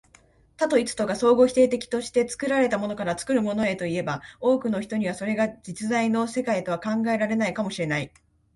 多と一とが相互否定的として、作られたものから作るものへといえば、多くの人にはそれが実在の世界とは考えられないかも知れない。